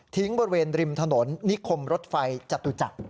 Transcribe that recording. บริเวณริมถนนนิคมรถไฟจตุจักร